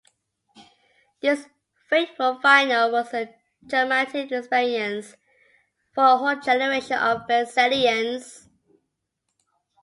This "fateful final" was a traumatic experience for a whole generation of Brazilians.